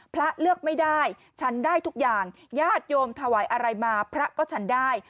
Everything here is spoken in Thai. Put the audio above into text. พระเลือกไม่ได้ฉันได้ทุกอย่างญาติโยมถวายอะไรมาพระก็ฉันได้